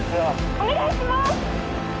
☎お願いします！